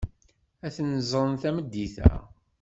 Ad ten-ẓren tameddit-a.